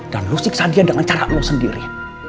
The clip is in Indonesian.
dan lo siksa dia dengan cara lo sendiri